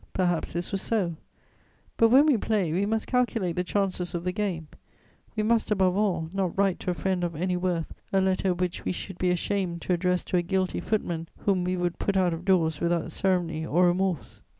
Perhaps this was so; but, when we play, we must calculate the chances of the game; we must, above all, not write to a friend of any worth a letter which we should be ashamed to address to a guilty footman whom we would put out of doors without ceremony or remorse.